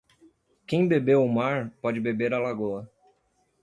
Quem bebeu o mar pode beber a lagoa.